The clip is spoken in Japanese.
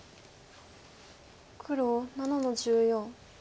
黒７の十四。